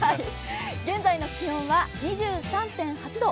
現在の気温は２３．８度。